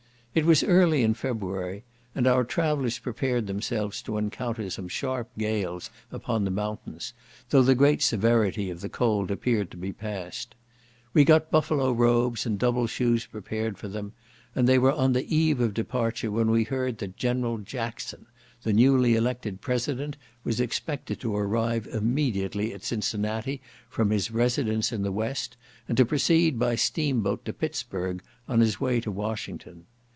It was early in February, and our travellers prepared themselves to encounter some sharp gales upon the mountains, though the great severity of the cold appeared to be past. We got buffalo robes and double shoes prepared for them, and they were on the eve of departure when we heard that General Jackson, the newly elected President, was expected to arrive immediately at Cincinnati, from his residence in the West, and to proceed by steamboat to Pittsburgh, on his way to Washington.